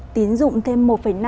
tín dụng thêm một năm hai